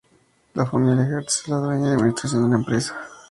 La familia Hearst es la dueña y administradora de la empresa.